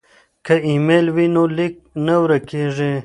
که ایمیل وي نو لیک نه ورک کیږي.